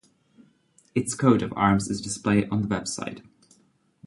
Its coat of arms is displayed on the website.